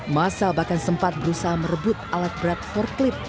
masa bahkan sempat berusaha merebut alat berat forklip